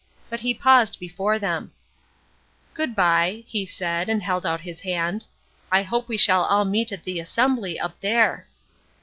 But he paused before them: "Good bye," he said. And held out his hand, "I hope we shall all meet at the assembly up there!"